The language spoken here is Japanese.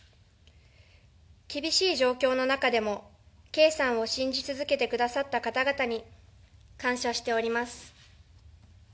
厳しい状況の中でも圭さんを信じ続けてくださった方々に感謝しております。